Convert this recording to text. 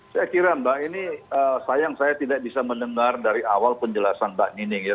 saya kira mbak ini sayang saya tidak bisa mendengar dari awal penjelasan mbak nining ya